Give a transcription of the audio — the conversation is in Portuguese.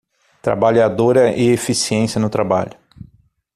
Trabalhadora e eficiência no trabalho